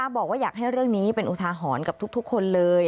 ได้กำชับให้เจ้าหน้าที่เริ่มตัดต้นไม้